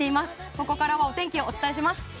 ここからは天気予報をお伝えします。